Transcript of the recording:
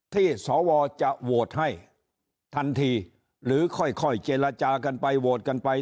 สวจะโหวตให้ทันทีหรือค่อยเจรจากันไปโหวตกันไป